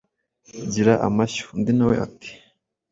Gira amashyo!”, undi na we ati :“